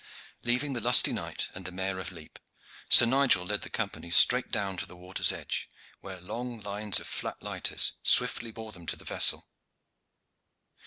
Leaving the lusty knight and the Mayor of Lepe, Sir Nigel led the Company straight down to the water's edge, where long lines of flat lighters swiftly bore them to their vessel.